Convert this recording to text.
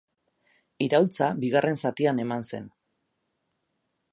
Iraultza bigarren zatian eman zen.